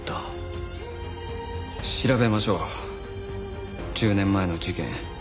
調べましょう１０年前の事件。